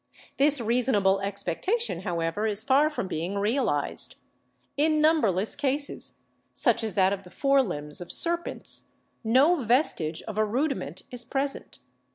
This reasonable expectation, however, is far from being realized. In numberless cases, such as that of the fore limbs of serpents, no vestige of a rudiment is present.